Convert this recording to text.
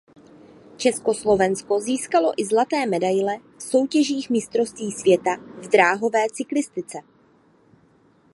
Československo získalo i zlaté medaile v soutěžích mistrovství světa v dráhové cyklistice.